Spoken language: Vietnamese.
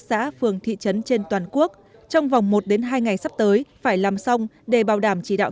xã phường thị trấn trên toàn quốc trong vòng một hai ngày sắp tới phải làm xong để bảo đảm chỉ đạo